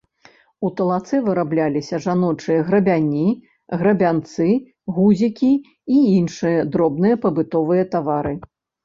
У талацэ вырабляліся жаночыя грабяні, грабянцы, гузікі і іншыя дробныя побытавыя тавары.